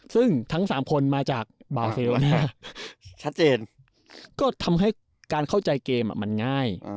ซึ่งทั้ง๓คนมาจากบาเซลชัดเจนก็ทำให้การเข้าใจเกมมันง่าย